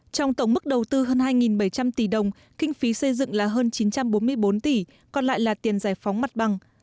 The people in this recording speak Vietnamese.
trong tổng mức đầu tư hơn hai bảy trăm linh tỷ đồng kinh phí xây dựng là hơn chín trăm bốn mươi bốn tỷ còn lại là tiền giải phóng mặt bằng